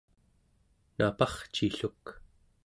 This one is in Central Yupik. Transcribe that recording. naparcilluk